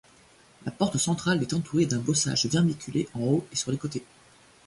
La porte centrale est entourée d'un bossage vermiculé en haut et sur les côtés.